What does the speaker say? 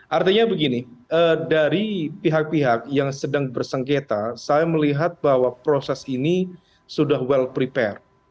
artinya begini dari pihak pihak yang sedang bersengketa saya melihat bahwa proses ini sudah well prepare